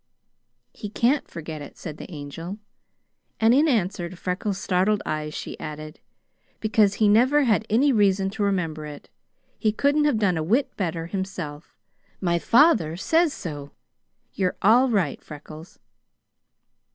"He can't forget it," said the Angel; and in answer to Freckles' startled eyes she added, "because he never had any reason to remember it. He couldn't have done a whit better himself. My father says so. You're all right, Freckles!"